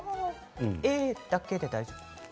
Ａだけで大丈夫ですか？